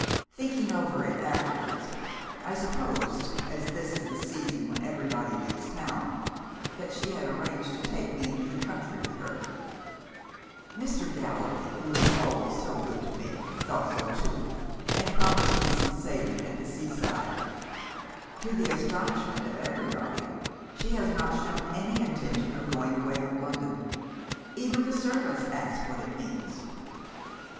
"Thinking over it afterwards, I supposed (as this is the season when everybody leaves town) that she had arranged to take me into the country with her. Mr. Gallilee, who is always good to me, thought so too, and promised me some sailing at the sea side. To the astonishment of everybody, she has not shown any intention of going away from London! Even the servants ask what it means.